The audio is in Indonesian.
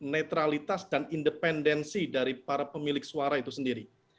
netralitas dan independensi dari para pemilik suara itu sendiri